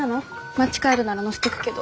町帰るなら乗せてくけど。